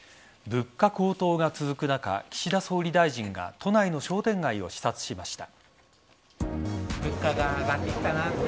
物価高騰が続く中岸田総理大臣が都内の商店街を視察しました。